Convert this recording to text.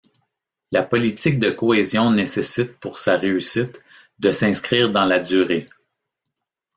La politique de cohésion nécessite, pour sa réussite, de s’inscrire dans la durée.